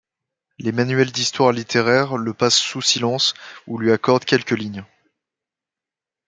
Les manuels d'histoire littéraire la passent sous silence ou lui accordent quelques lignes.